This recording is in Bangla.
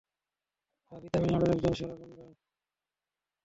রাভি তামিলনাড়ুর একজন সেরা গুন্ডা।